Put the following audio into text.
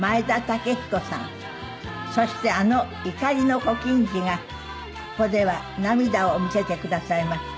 そしてあの怒りの小金治がここでは涙を見せてくださいました。